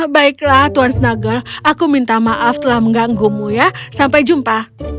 baiklah tuan snuggle aku minta maaf telah mengganggumu ya sampai jumpa